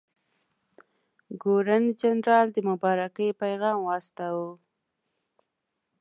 ګورنرجنرال د مبارکۍ پیغام واستاوه.